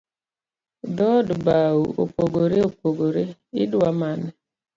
Dhood bau opogore opogore, idua mane?